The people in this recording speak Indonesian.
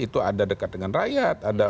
itu ada dekat dengan rakyat ada